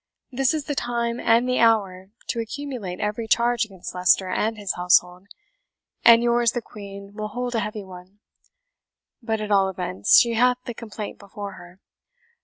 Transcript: This is the time and the hour to accumulate every charge against Leicester and his household, and yours the Queen will hold a heavy one. But at all events she hath the complaint before her."